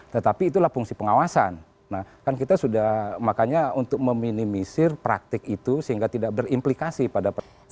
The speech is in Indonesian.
tetapi itulah fungsi pengawasan nah kan kita sudah makanya untuk meminimisir praktik itu sehingga tidak berimplikasi pada periode dua ribu empat belas dan dua ribu sembilan belas